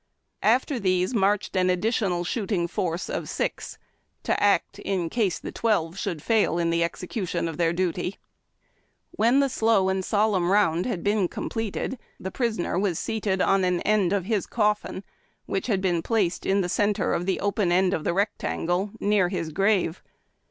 After these marched an addi tional shooting force of six, to act in case tlie twelve should fail in the execution of their duty. When the slow and solemn round had been completed, the OFFENCES AND PUNISHMENTS. 159 prisoner was seated on an end of his coffin, which had been placed in the centre of the open end of the rectangle, near his grave.